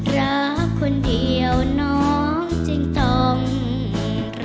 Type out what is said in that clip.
รักคนเดียวน้องจึงต้องรอ